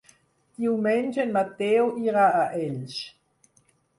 Diumenge en Mateu irà a Elx.